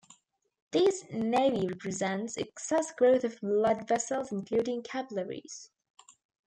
These nevi represent excess growth of blood vessels, including capillaries.